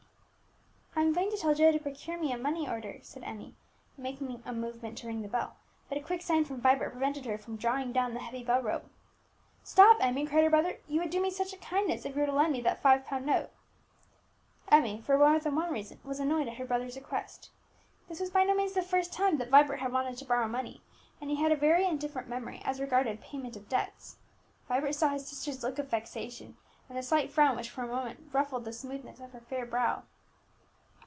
"I am going to tell Joe to procure me a money order," said Emmie, making a movement to ring the bell; but a quick sign from Vibert prevented her from drawing down the heavy bell rope. "Stop, Emmie!" cried her brother; "you would do me such a kindness if you were to lend me that five pound note." Emmie, for more than one reason, was annoyed at her brother's request. This was by no means the first time that Vibert had wanted to borrow money, and he had a very indifferent memory as regarded payment of debts. Vibert saw his sister's look of vexation and the slight frown which for a moment ruffled the smoothness of her fair brow.